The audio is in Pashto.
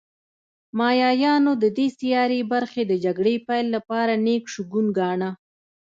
مایایانو د دې سیارې برخې د جګړې پیل لپاره نېک شګون گاڼه